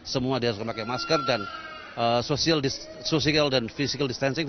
semua dihasilkan pakai masker dan sosial dan physical distancing